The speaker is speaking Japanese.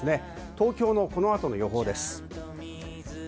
東京のこの後の予報です。